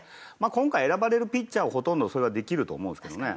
今回選ばれるピッチャーはほとんどそれはできると思うんですけどね。